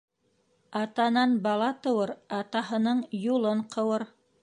Атанан бала тыуыр, атаһының юлын ҡыуыр.